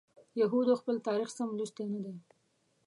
یهودو خپل تاریخ سم لوستی نه دی.